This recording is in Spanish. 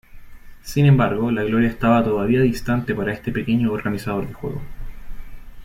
Sin embargo, la gloria estaba todavía distante para este pequeño organizador de juego.